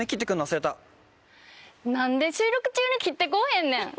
何で収録中に切って来ぉへんねん！